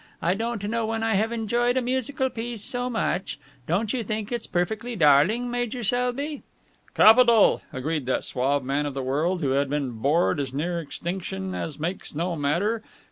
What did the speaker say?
I don't know when I have enjoyed a musical piece so much. Don't you think it's perfectly darling, Major Selby?" "Capital!" agreed that suave man of the world, who had been bored as near extinction as makes no matter.